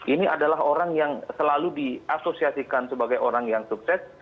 ini adalah orang yang selalu diasosiasikan sebagai orang yang sukses